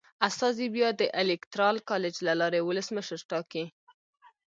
استازي بیا د الېکترال کالج له لارې ولسمشر ټاکي.